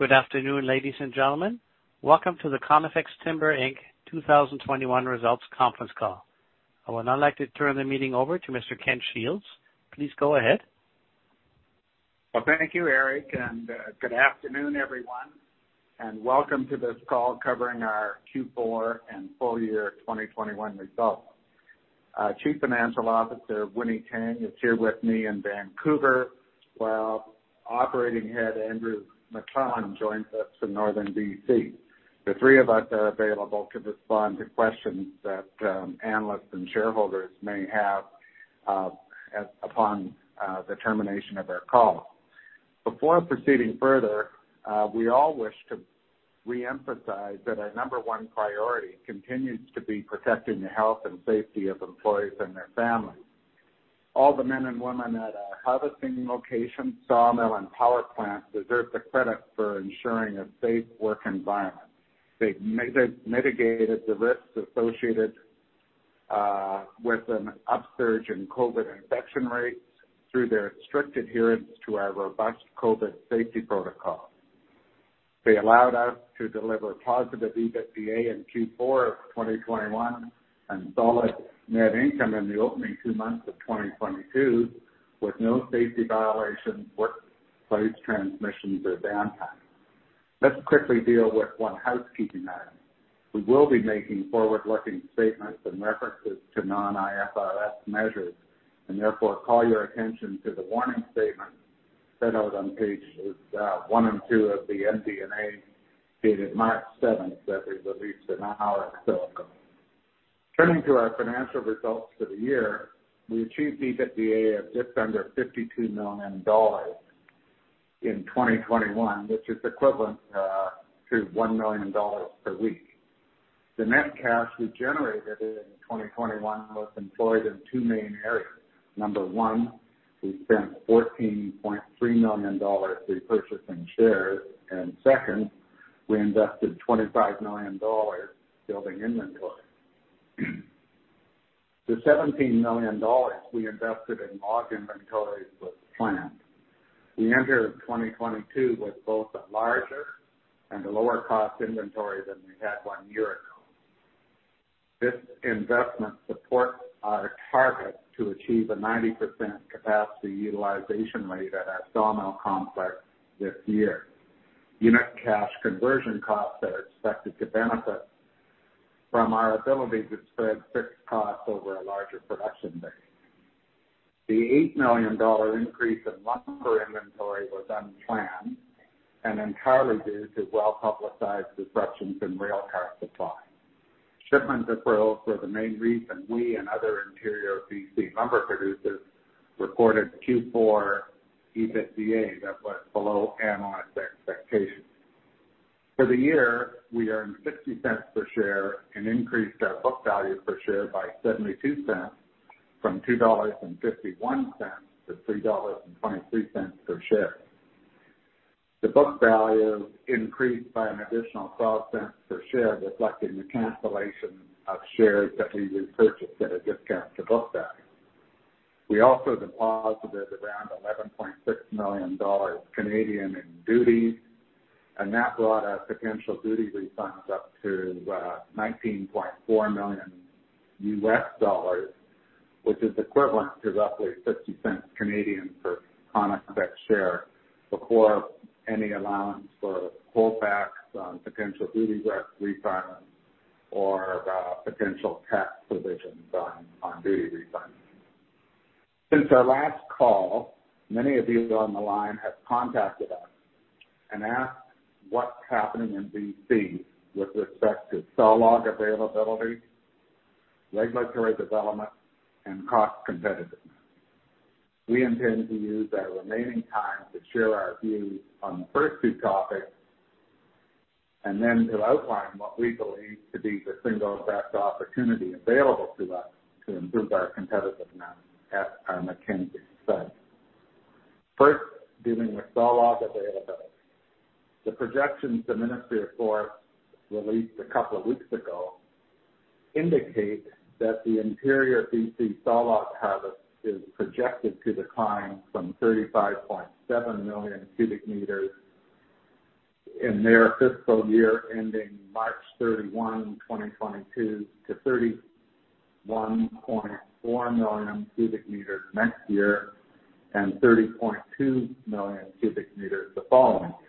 Good afternoon, ladies and gentlemen. Welcome to the Conifex Timber, Inc. 2021 Results Conference Call. I would now like to turn the meeting over to Mr. Ken Shields. Please go ahead. Well, thank you, Eric, and good afternoon, everyone, and welcome to this call covering our first quarter and full year 2021 results. Our Chief Financial Officer, Winny Tang, is here with me in Vancouver, while Operating Head Andrew McLellan joins us from Northern BC. The three of us are available to respond to questions that analysts and shareholders may have upon the termination of our call. Before proceeding further, we all wish to reemphasize that our number one priority continues to be protecting the health and safety of employees and their families. All the men and women at our harvesting locations, sawmill, and power plant deserve the credit for ensuring a safe work environment. They've mitigated the risks associated with an upsurge in COVID infection rates through their strict adherence to our robust COVID safety protocol. They allowed us to deliver positive EBITDA in fourth quarter of 2021, and solid net income in the opening two months of 2022, with no safety violations, workplace transmissions, or downtime. Let's quickly deal with one housekeeping item. We will be making forward-looking statements and references to non-IFRS measures and therefore call your attention to the warning statement set out on pages one and two of the MD&A dated 7 March 2021 that we released an hour ago. Turning to our financial results for the year, we achieved EBITDA of just under 52 million dollars in 2021, which is equivalent to 1 million dollars per week. The net cash we generated in 2021 was employed in two main areas. Number one, we spent 14.3 million dollars repurchasing shares, and second, we invested 25 million dollars building inventory. The 17 million dollars we invested in log inventories was planned. We entered 2022 with both a larger and a lower cost inventory than we had one year ago. This investment supports our target to achieve a 90% capacity utilization rate at our sawmill complex this year. Unit cash conversion costs are expected to benefit from our ability to spread fixed costs over a larger production base. The 8 million dollar increase in lumber inventory was unplanned and entirely due to well-publicized disruptions in rail car supply. Shipment deferrals were the main reason we and other interior BC lumber producers reported fourth quarter EBITDA that was below analyst expectations. For the year, we earned 0.60 per share and increased our book value per share by 0.72 from 2.51 dollars to 3.23 dollars per share. The book value increased by an additional 0.12 per share, reflecting the cancellation of shares that we repurchased at a discount to book value. We also deposited around 11.6 million Canadian dollars in duties, and that brought our potential duty refunds up to $19.4 million, which is equivalent to roughly 0.60 per Conifex share before any allowance for pullbacks on potential duty refunds or potential tax provisions on duty refunds. Since our last call, many of you on the line have contacted us and asked what's happening in BC with respect to sawlog availability, regulatory developments, and cost competitiveness. We intend to use our remaining time to share our views on the first two topics, and then to outline what we believe to be the single best opportunity available to us to improve our competitiveness at our Mackenzie site. First, dealing with sawlog availability. The projections the Ministry of Forests released a couple of weeks ago indicate that the interior BC sawlog harvest is projected to decline from 35.7 million cubic meters in their fiscal year ending 31 March 2022, to 31.4 million cubic meters next year, and 30.2 million cubic meters the following year.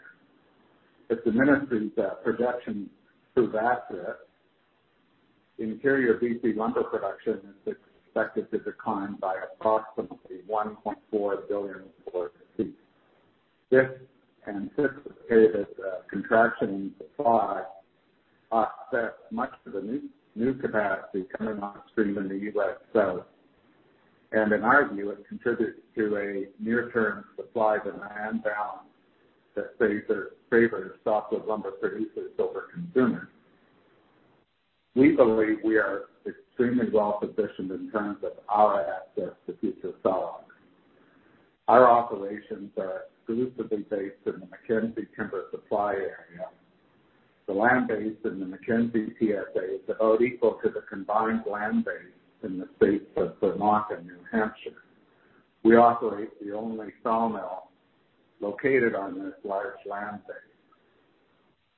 If the ministry's projections prove accurate, interior BC lumber production is expected to decline by approximately 1.4 billion board feet. This anticipated contraction in supply offsets much of the new capacity coming on stream in the US South, and in our view, it contributes to a near-term supply demand balance that favors softwood lumber producers over consumers. We believe we are extremely well-positioned in terms of our access to future sawlogs. Our operations are exclusively based in the Mackenzie Timber Supply area. The land base in the Mackenzie TSA is about equal to the combined land base in the state of Vermont and New Hampshire. We operate the only sawmill located on this large land base.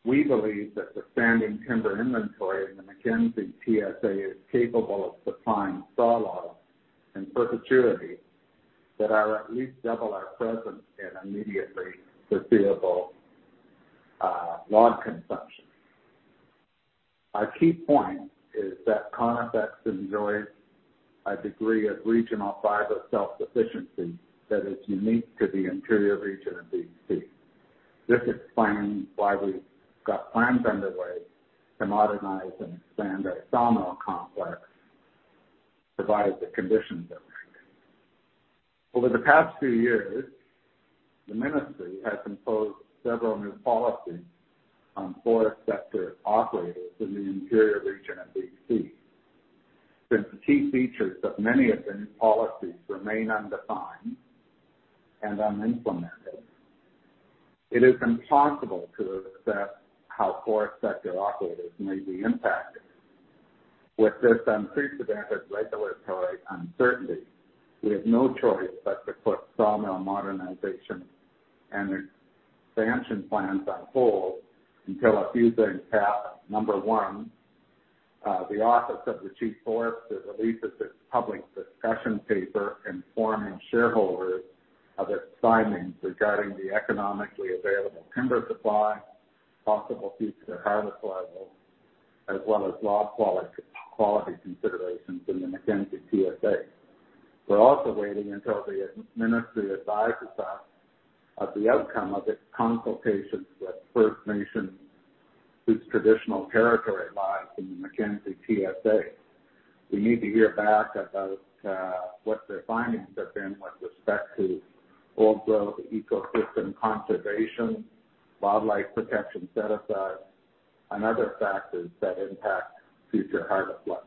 We believe that the standing timber inventory in the Mackenzie TSA is capable of supplying saw logs in perpetuity that are at least double our presence in immediately foreseeable log consumption. Our key point is that Conifex enjoys a degree of regional fiber self-sufficiency that is unique to the interior region of BC. This explains why we've got plans underway to modernize and expand our sawmill complex, provided the conditions are right. Over the past few years, the ministry has imposed several new policies on forest sector operators in the interior region of BC. Since the key features of many of the new policies remain undefined and unimplemented, it is impossible to assess how forest sector operators may be impacted. With this unprecedented regulatory uncertainty, we have no choice but to put sawmill modernization and expansion plans on hold until a few things happen. Number one, the office of the Chief Forester releases its public discussion paper informing shareholders of its findings regarding the economically available timber supply, possible future harvest levels, as well as log quality considerations in the Mackenzie TSA. We're also waiting until the Ministry advises us of the outcome of its consultations with First Nations whose traditional territory lies in the Mackenzie TSA. We need to hear back about what their findings have been with respect to old growth ecosystem conservation, wildlife protection set-asides, and other factors that impact future harvest levels.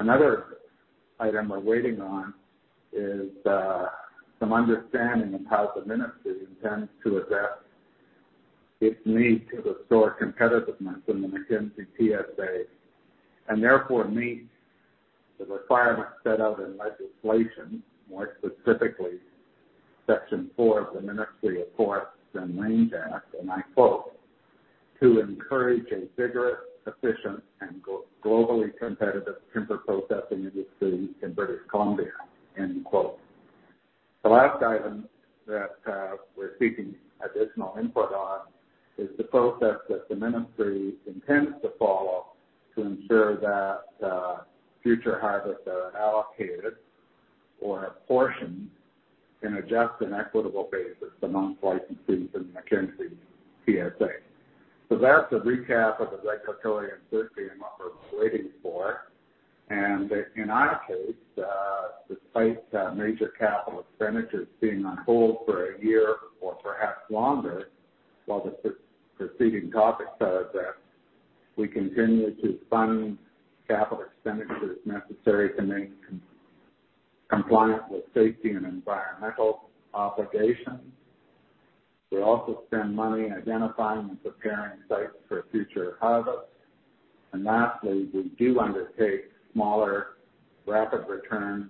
Another item we're waiting on is some understanding of how the ministry intends to address its need to restore competitiveness in the Mackenzie TSA and therefore meet the requirements set out in legislation, more specifically, Section Four of the Ministry of Forests, Lands Act, and I quote, "To encourage a vigorous, efficient, and globally competitive timber processing industry in British Columbia." End quote. The last item that we're seeking additional input on is the process that the ministry intends to follow to ensure that future harvests are allocated or apportioned in a just and equitable basis amongst licensees in the Mackenzie TSA. That's a recap of the regulatory uncertainty and what we're waiting for. In our case, despite major capital expenditures being on hold for a year or perhaps longer, while the pre-proceeding topic says that we continue to fund capital expenditures necessary to maintain compliance with safety and environmental obligations. We also spend money in identifying and preparing sites for future harvests. Lastly, we do undertake smaller rapid return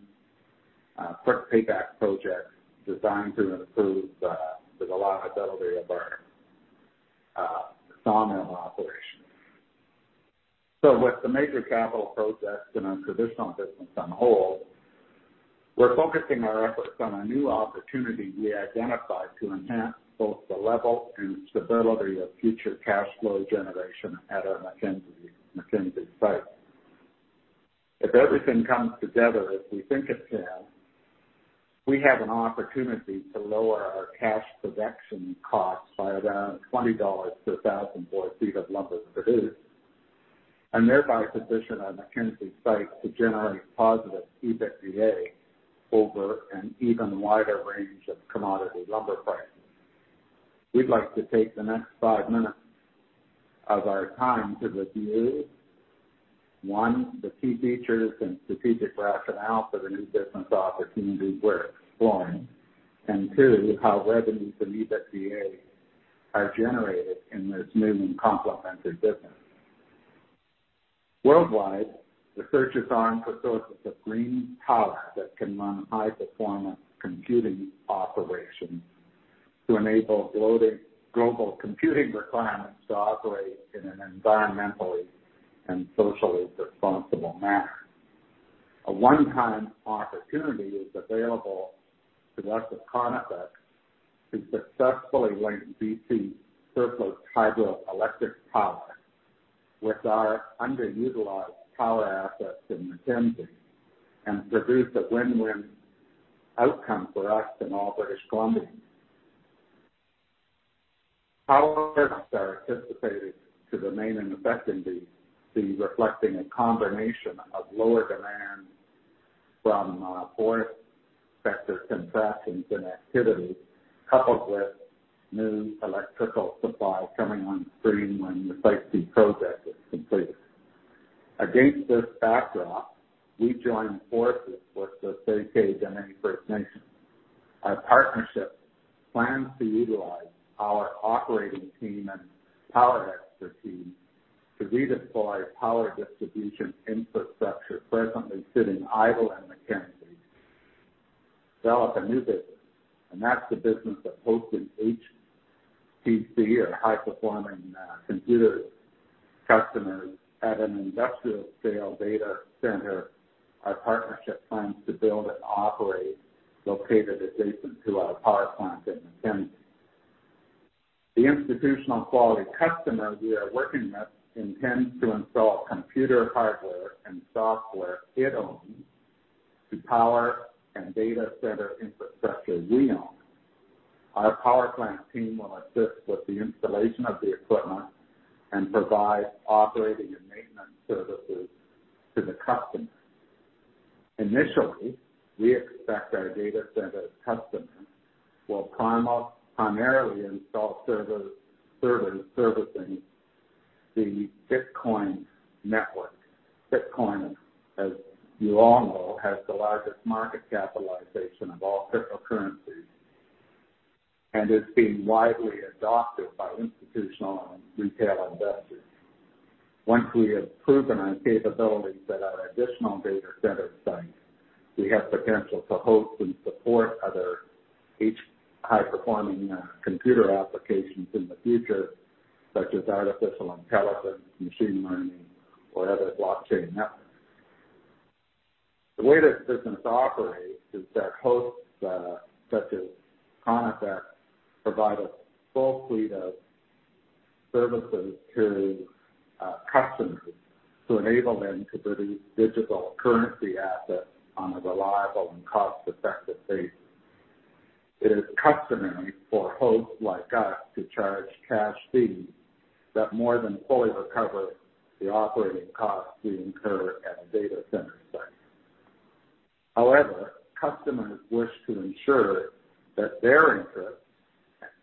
quick payback projects designed to improve the reliability of our sawmill operations. With the major capital projects in our traditional business on hold, we're focusing our efforts on a new opportunity we identified to enhance both the level and stability of future cash flow generation at our Mackenzie site. If everything comes together as we think it can, we have an opportunity to lower our cash production costs by around 20 dollars per thousand board feet of lumber produced, and thereby position our Mackenzie site to generate positive EBITDA over an even wider range of commodity lumber prices. We'd like to take the next five minutes of our time to review, one, the key features and strategic rationale for the new business opportunity we're exploring, and two, how revenues and EBITDA are generated in this new and complementary business. Worldwide, the search is on for sources of green power that can run high-performance computing operations to enable leading global computing requirements to operate in an environmentally and socially responsible manner. A one-time opportunity is available to us at Conifex to successfully link BC surplus hydroelectric power with our underutilized power assets in Mackenzie and produce a win-win outcome for us in all British Columbia. Power costs are anticipated to remain in effect in BC, reflecting a combination of lower demand from forest sector contractions and activity, coupled with new electrical supply coming on stream when the Site C project is completed. Against this backdrop, we joined forces with the Tsay Keh Dene First Nation. Our partnership plans to utilize our operating team and power expertise to redeploy power distribution infrastructure presently sitting idle in Mackenzie, develop a new business, and that's the business of hosting HPC or high-performing computer customers at an industrial scale data center our partnership plans to build and operate, located adjacent to our power plant in Mackenzie. The institutional quality customer we are working with intends to install computer hardware and software it owns to power a data center infrastructure we own. Our power plant team will assist with the installation of the equipment and provide operating and maintenance services to the customer. Initially, we expect our data center customer will primarily install servers servicing the Bitcoin network. Bitcoin, as you all know, has the largest market capitalization of all cryptocurrencies and is being widely adopted by institutional and retail investors. Once we have proven our capabilities at our additional data center sites, we have potential to host and support other high-performing computer applications in the future, such as artificial intelligence, machine learning, or other blockchain networks. The way this business operates is that hosts, such as Conifex provide a full suite of services to customers to enable them to produce digital currency assets on a reliable and cost-effective basis. It is customary for hosts like us to charge cash fees that more than fully recover the operating costs we incur at a data center site. However, customers wish to ensure that their interests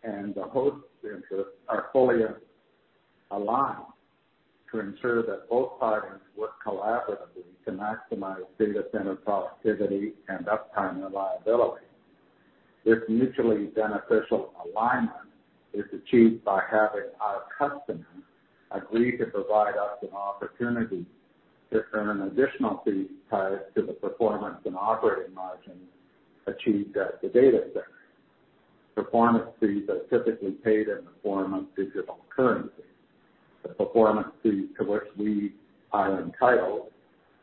and the host interests are fully aligned to ensure that both parties work collaboratively to maximize data center productivity and uptime reliability. This mutually beneficial alignment is achieved by having our customers agree to provide us an opportunity to earn an additional fee tied to the performance and operating margins achieved at the data center. Performance fees are typically paid in the form of digital currency. The performance fees to which we are entitled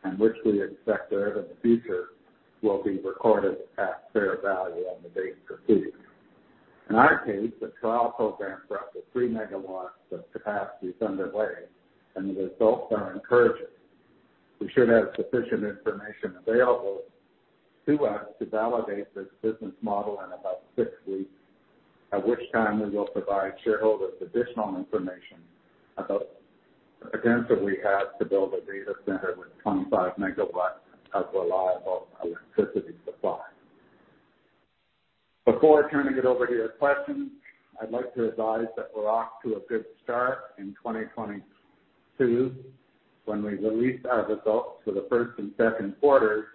and which we expect to earn in the future will be recorded at fair value on the date received. In our case, the trial program for up to 3 MW of capacity is underway, and the results are encouraging. We should have sufficient information available to us to validate this business model in about six weeks, at which time we will provide shareholders additional information about the potential we have to build a data center with 25 MW of reliable electricity supply. Before turning it over to your questions, I'd like to advise that we're off to a good start in 2022. When we release our results for the first and second quarters,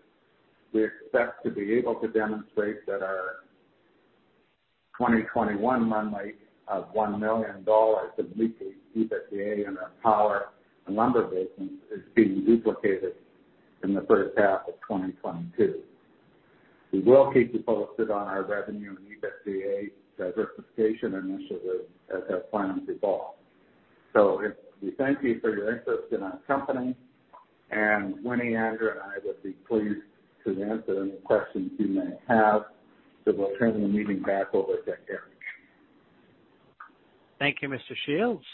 we expect to be able to demonstrate that our 2021 run rate of 1 million dollars of weekly EBITDA in our power and lumber business is being duplicated in the first half of 2022. We will keep you posted on our revenue and EBITDA diversification initiatives as our plans evolve. We thank you for your interest in our company, and Winnie, Andrew, and I would be pleased to answer any questions you may have, so we'll turn the meeting back over to Eric. Thank you, Mr. Shields.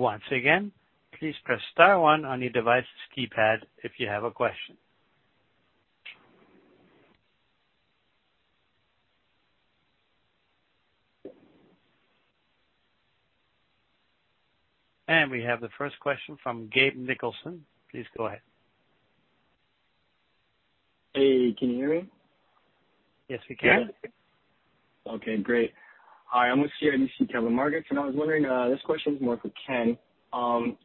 We have the first question from Gabe Nicholson. Please go ahead. Hey, can you hear me? Yes, we can. Okay, great. Hi. I'm with CIBC Capital Markets, and I was wondering, this question is more for Ken.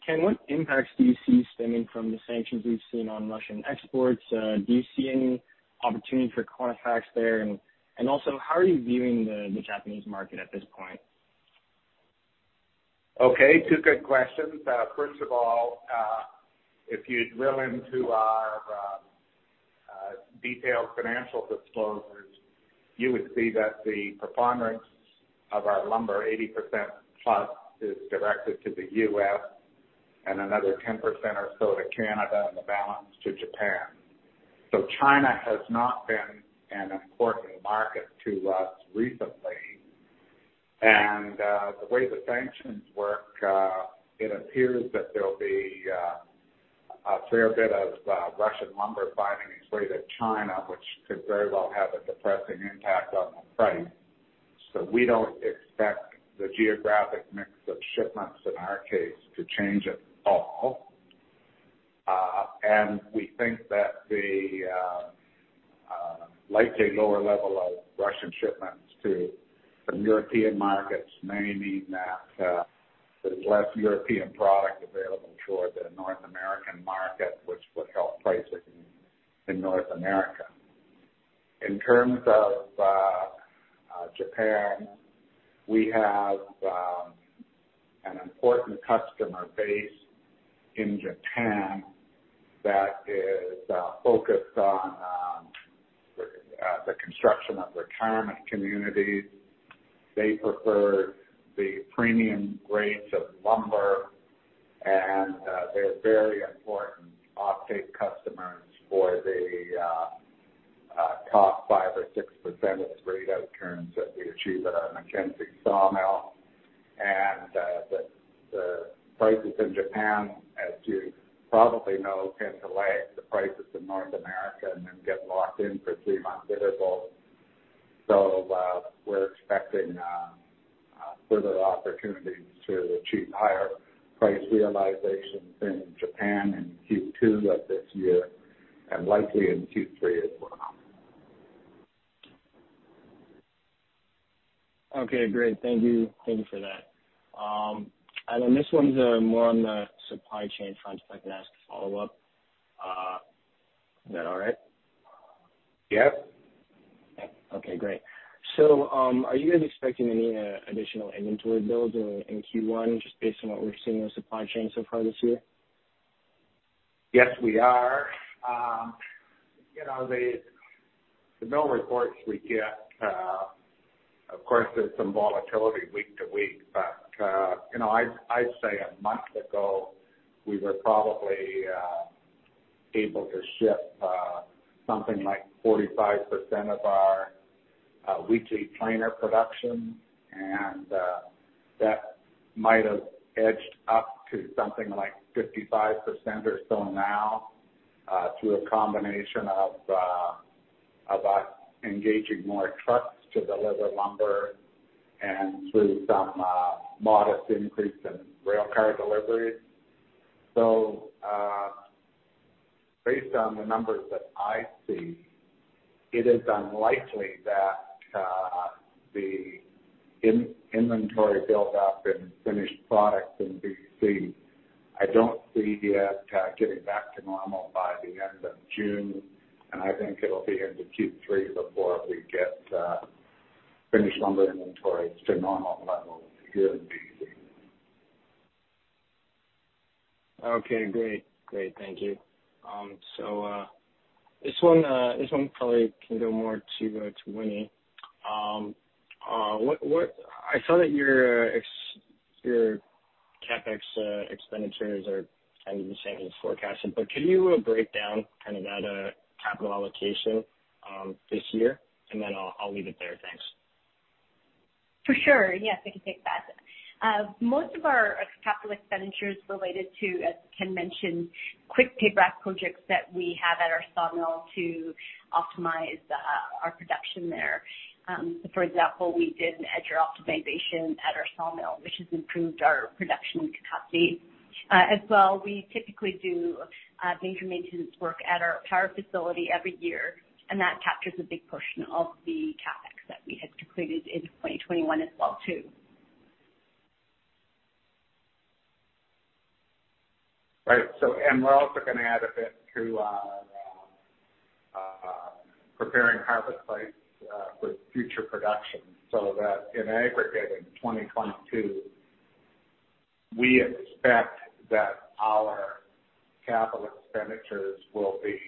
Ken, what impacts do you see stemming from the sanctions we've seen on Russian exports? Do you see any opportunity for Conifex there? And also, how are you viewing the Japanese market at this point? Okay, two good questions. First of all, if you drill into our detailed financial disclosures, you would see that the preponderance of our lumber, 80% plus, is directed to the US and another 10% or so to Canada and the balance to Japan. China has not been an important market to us recently. The way the sanctions work, it appears that there'll be a fair bit of Russian lumber finding its way to China, which could very well have a depressing impact on the price. We don't expect the geographic mix of shipments in our case to change at all. We think that the likely lower level of Russian shipments to some European markets may mean that there's less European product available toward the North American market, which would help pricing in North America. In terms of Japan, we have an important customer base in Japan that is focused on the construction of retirement communities. They prefer the premium grades of lumber, and they're very important offtake customers for the top 5% or 6% of the grade outturns that we achieve at our Mackenzie sawmill. The prices in Japan, as you probably know, tend to lag the prices in North America and then get locked in for three-month intervals. We're expecting further opportunities to achieve higher price realizations in Japan in second quarter of this year and likely in third quarter as well. Okay, great. Thank you. Thank you for that. This one's more on the supply chain front, if I can ask a follow-up. Is that all right? Yep. Okay, great. Are you guys expecting any additional inventory builds in first quarter just based on what we're seeing in supply chain so far this year? Yes, we are. You know, the build reports we get, of course, there's some volatility week to week, but you know, I'd say a month ago we were probably able to ship something like 45% of our weekly planer production, and that might have edged up to something like 55% or so now, through a combination of us engaging more trucks to deliver lumber and through some modest increase in railcar deliveries. Based on the numbers that I see, it is unlikely that the inventory buildup in finished products in BC. I don't see it getting back to normal by the end of June, and I think it'll be into third quarter before we get finished lumber inventory to normal levels here in BC. Okay, great. Great. Thank you. So, this one probably can go more to Winnie. I saw that your CapEx expenditures are kind of the same as forecasted, but could you break down kind of that capital allocation this year? Then I'll leave it there. Thanks. For sure. Yes, I can take that. Most of our capital expenditures related to, as Ken mentioned, quick payback projects that we have at our sawmill to optimize our production there. For example, we did an edger optimization at our sawmill, which has improved our production capacity. As well, we typically do major maintenance work at our power facility every year, and that captures a big portion of the CapEx that we had included into 2021 as well, too. Right. We're also gonna add a bit to preparing harvest sites for future production, so that in aggregate in 2022, we expect that our capital expenditures will be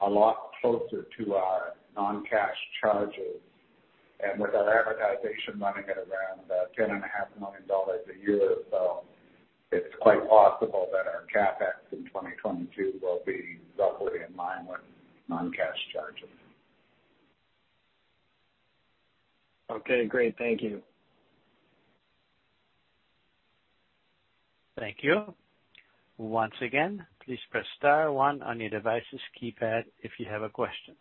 a lot closer to our non-cash charges. With our amortization running at around 10.5 million dollars a year, it's quite possible that our CapEx in 2022 will be roughly in line with non-cash charges. Okay, great. Thank you. Thank you. Once again, please press star one on your device's keypad if you have a question.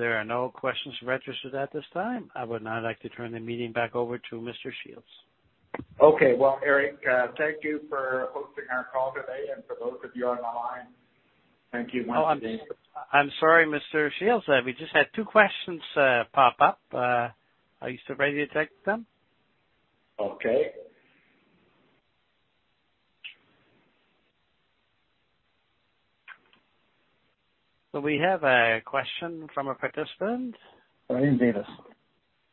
There are no questions registered at this time. I would now like to turn the meeting back over to Mr. Shields. Okay. Well, Eric, thank you for hosting our call today and for those of you on the line. Thank you once again... Oh, I'm sorry, Mr. Shields. We just had two questions pop up. Are you still ready to take them? Okay. We have a question from a participant. Brian Davis.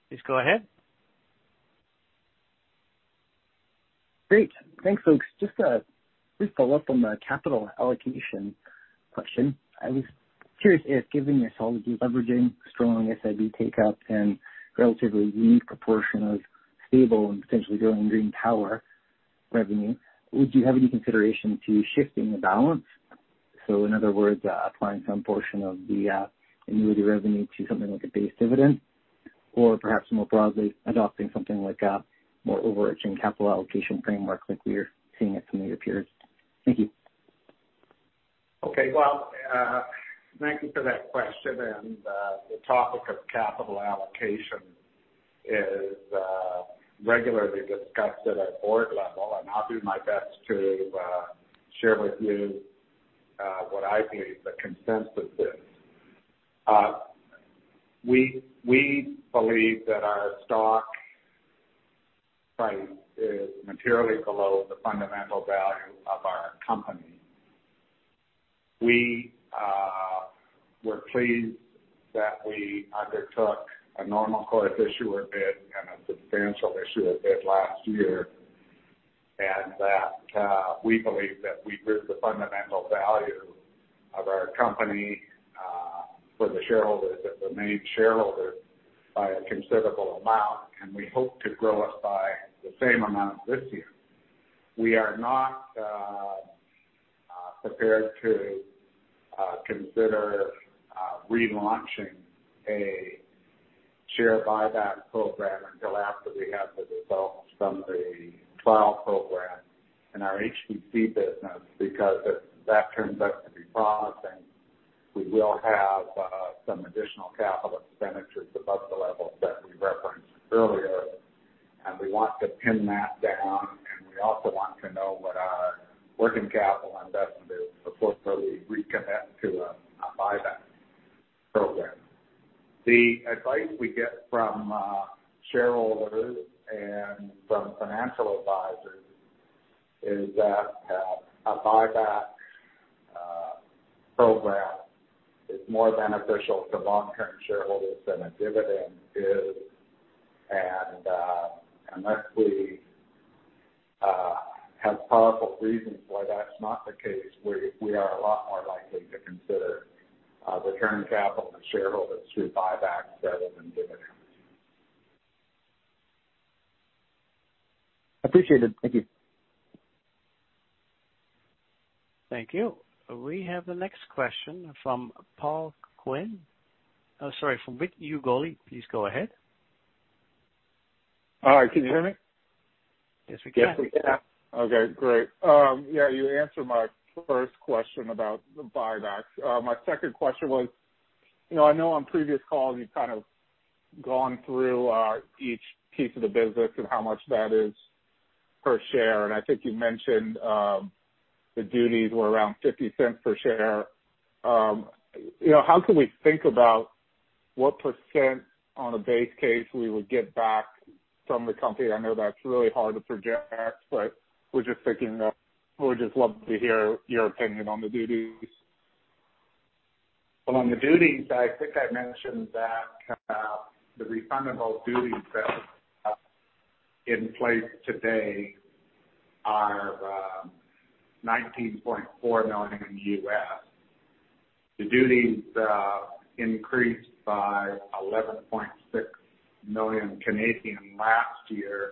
Please go ahead. Great. Thanks, folks. Just a quick follow-up on the capital allocation question. I was curious if given your solid deleveraging, strong SIB take-up, and relatively unique proportion of stable and potentially growing green power revenue, would you have any consideration to shifting the balance? In other words, applying some portion of the annuity revenue to something like a base dividend, or perhaps more broadly adopting something like a more overarching capital allocation framework like we are seeing at some of your peers? Thank you. Okay. Well, thank you for that question. The topic of capital allocation is regularly discussed at a board level, and I'll do my best to share with you what I believe the consensus is. We believe that our stock price is materially below the fundamental value of our company. We're pleased that we undertook a normal course issuer bid and a substantial issuer bid last year, and that we believe that we've raised the fundamental value of our company for the shareholders that remained shareholders by a considerable amount, and we hope to grow it by the same amount this year. We are not prepared to consider relaunching a share buyback program until after we have the results from the trial program in our HPC business. Because if that turns out to be promising, we will have some additional capital expenditures above the levels that we referenced earlier. We want to pin that down, and we also want to know what our working capital investment is before we recommit to a buyback program. The advice we get from shareholders and from financial advisors is that a buyback program is more beneficial to long-term shareholders than a dividend is. Unless we have powerful reasons why that's not the case, we are a lot more likely to consider returning capital to shareholders through buybacks rather than dividends. Appreciated. Thank you. Thank you. We have the next question from Paul Quinn. Oh, sorry, from Vic Ugole. Please go ahead. Hi, can you hear me? Yes, we can. Okay, great. You answered my first question about the buybacks. My second question was, you know, I know on previous calls you've kind of gone through each piece of the business and how much that is per share, and I think you mentioned the duties were around 0.50 per share. You know, how can we think about what percent on a base case we would get back from the company? I know that's really hard to project, but was just thinking, would just love to hear your opinion on the duties. Well, on the duties, I think I mentioned that the refundable duties that in place today are $19.4 million. The duties increased by 11.6 million last year.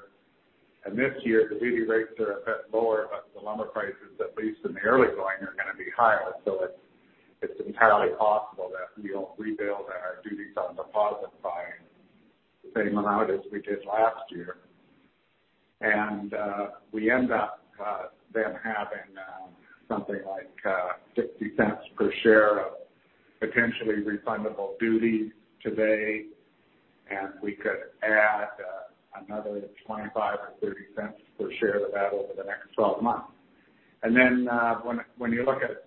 This year the duty rates are a bit lower, but the lumber prices, at least in the early going, are gonna be higher. It's entirely possible that we don't rebuild our duties on deposit by the same amount as we did last year. We end up then having something like 0.60 per share of potentially refundable duties today, and we could add another 0.25 or 0.30 per share to that over the next 12 months. Then when you look at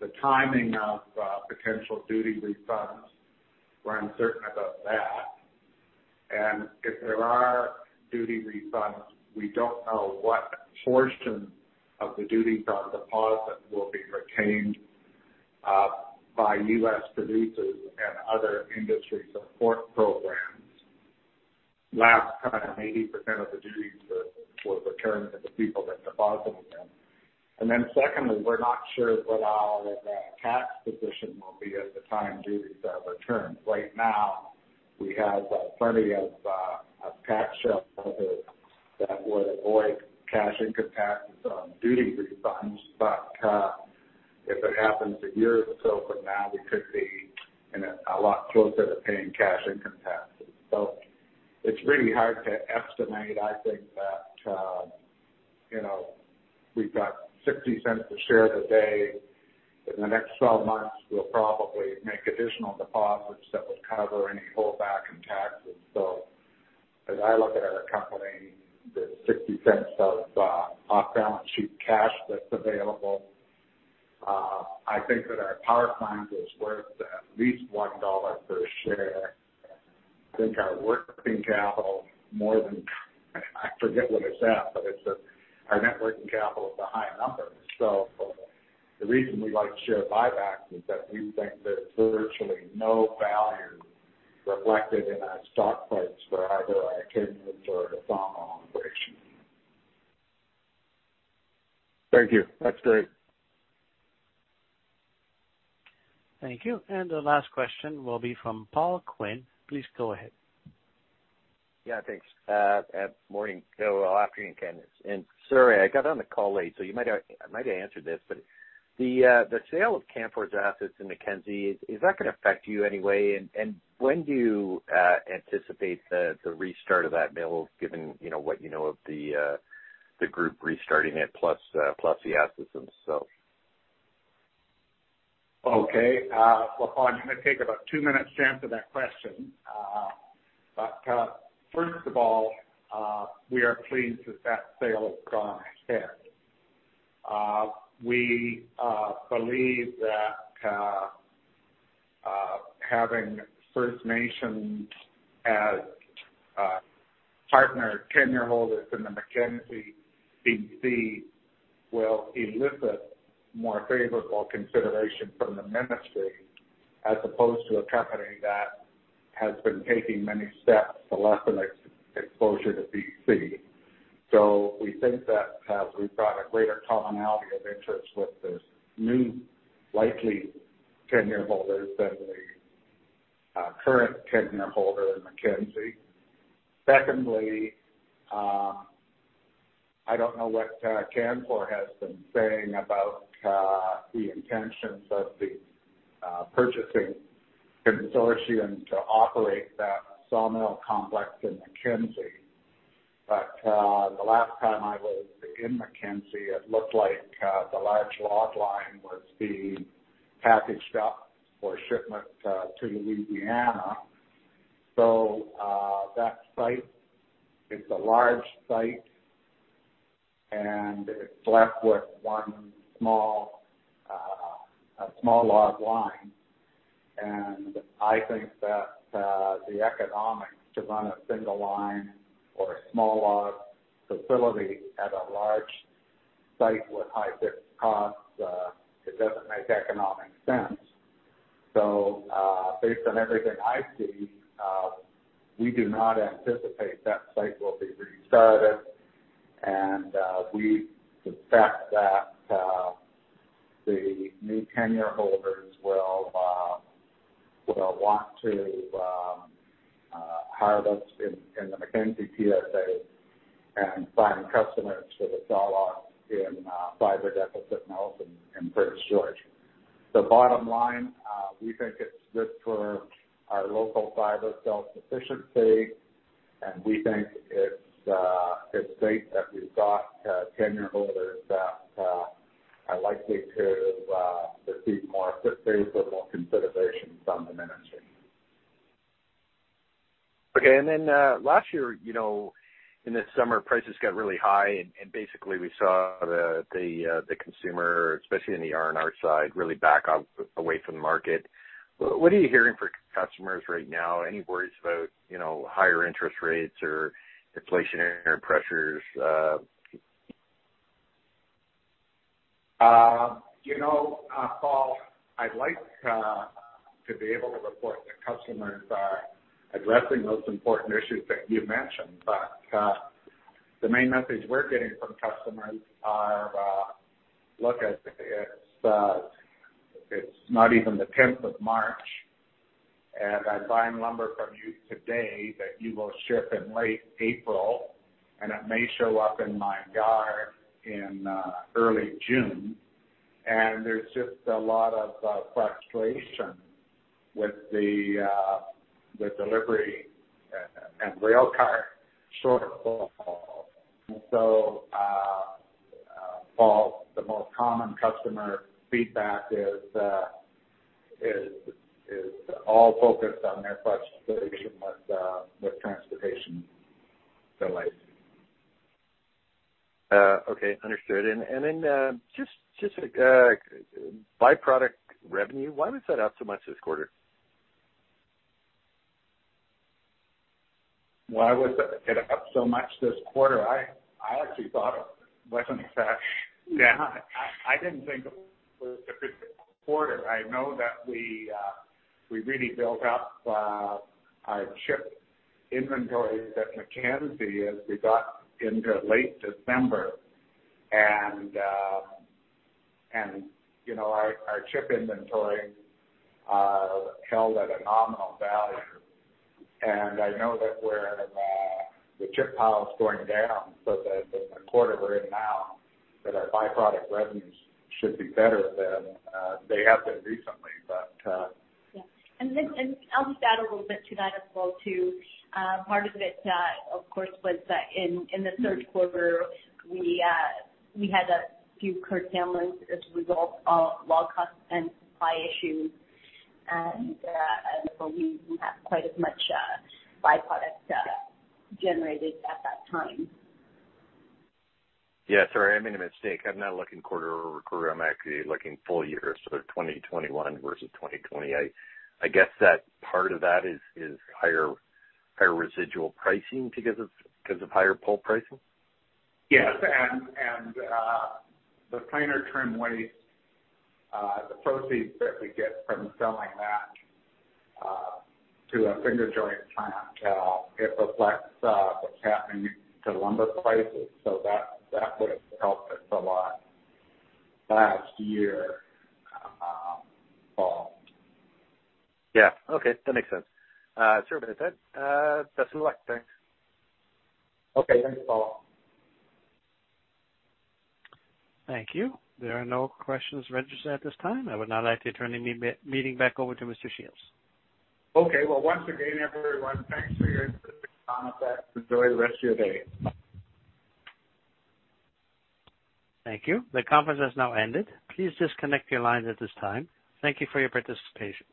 the timing of potential duty refunds, we're uncertain about that. If there are duty refunds, we don't know what portion of the duties on deposit will be retained by US producers and other industry support programs. Last time, 80% of the duties were returned to the people that deposited them. Then secondly, we're not sure what our tax position will be at the time duties are returned. Right now, we have plenty of tax shelters that would avoid cash income taxes on duty refunds, but if it happens a year or so from now, we could be a lot closer to paying cash income taxes. It's really hard to estimate. I think that you know, we've got 0.60 per share today. In the next 12 months, we'll probably make additional deposits that would cover any holdback in taxes. As I look at our company, the 0.60 of off-balance sheet cash that's available, I think that our power plant is worth at least 1 dollar per share. I think our working capital more than I forget what it's at, but our net working capital is a high number. The reason we like to share buybacks is that we think there's virtually no value reflected in our stock price for either a timber or a sawmill operation. Thank you. That's great. Thank you. The last question will be from Paul Quinn. Please go ahead. Yeah, thanks. Morning. No, well, afternoon, Ken. Sorry, I got on the call late, so I might have answered this, but the sale of Canfor's assets in Mackenzie, is that gonna affect you in any way? When do you anticipate the restart of that mill, given, you know, what you know of the group restarting it, plus the assets themselves? Okay. Well, Paul, I'm gonna take about two minutes to answer that question. First of all, we are pleased that sale has gone ahead. We believe that having First Nations as partner tenure holders in the Mackenzie BC will elicit more favorable consideration from the ministry as opposed to a company that has been taking many steps to lessen its exposure to BC. We think that we've got a greater commonality of interest with this new likely tenure holders than the current tenure holder in Mackenzie. Secondly, I don't know what Canfor has been saying about the intentions of the purchasing consortium to operate that sawmill complex in Mackenzie. The last time I was in Mackenzie, it looked like the large log line was being packaged up for shipment to Louisiana. That site is a large site, and it's left with one small log line. I think that the economics to run a single line or a small log facility at a large site with high fixed costs, it doesn't make economic sense. Based on everything I see, we do not anticipate that site will be restarted, and we suspect that the new tenure holders will want to hire us in the Mackenzie TSA and find customers for the saw logs in fiber deficit mills in Prince George. The bottom line, we think it's good for our local fiber self-sufficiency, and we think it's great that we've got tenure holders that are likely to receive more favorable consideration from the ministry. Okay. Last year, you know, in the summer, prices got really high and basically, we saw the consumer, especially in the R&R side, really back off away from the market. What are you hearing from customers right now? Any worries about, you know, higher interest rates or inflationary pressures? You know, Paul, I'd like to be able to report that customers are addressing those important issues that you mentioned, but the main message we're getting from customers are look, it's not even the 10 March 2021, and I'm buying lumber from you today that you will ship in late April, and it may show up in my yard in early June. There's just a lot of frustration with the delivery and railcar shortages. Paul, the most common customer feedback is all focused on their frustration with transportation delays. Okay. Understood. Just by-product revenue, why was that up so much this quarter? Why was it up so much this quarter? I actually thought it wasn't that. Yeah, I didn't think it was a good quarter. I know that we really built up our chip inventory at Mackenzie as we got into late December. You know, our chip inventory held at a nominal value. I know that the chip pile is going down, so that in the quarter we're in now, our by-product revenues should be better than they have been recently. Yeah. I'll just add a little bit to that as well, too. Part of it, of course, was that in the third quarter, we had a few curtailments as a result of log costs and supply issues. So, we didn't have quite as much by-product generated at that time. Yeah, sorry, I made a mistake. I'm not looking quarter-over-quarter. I'm actually looking full year, so 2021 versus 2020. I guess that part of that is higher residual pricing because of higher pulp pricing. Yes. The planer trim waste, the proceeds that we get from selling that to a finger joint plant, it reflects what's happening to lumber prices. That would have helped us a lot last year, Paul. Yeah. Okay. That makes sense. Sir, that's it. Best of luck. Thanks. Okay. Thanks, Paul. Thank you. There are no questions registered at this time. I would now like to turn the meeting back over to Mr. Shields. Okay. Well, once again, everyone, thanks for your interest in Conifex. Enjoy the rest of your day. Thank you. The conference has now ended. Please disconnect your lines at this time. Thank you for your participation.